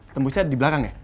tembusnya di belakang ya